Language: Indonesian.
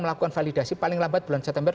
melakukan validasi paling lambat bulan september